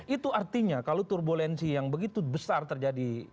itu artinya kalau turbulensi yang begitu besar terjadi